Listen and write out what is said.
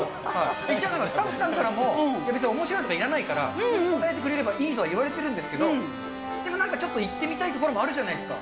一応スタッフさんからも別におもしろいとかいらないから、普通に答えてくれればいいとはいわれてるんですけど、でもなんかちょっといってみたいところもあるじゃないですか。